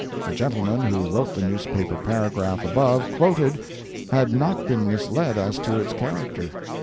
The gentleman who wrote the newspaper paragraph above quoted had not been misled as to its character.